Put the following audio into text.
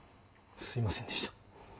すみませんでした。